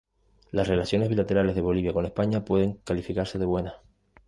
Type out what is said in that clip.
Las relaciones bilaterales de Bolivia con España pueden calificarse de buenas.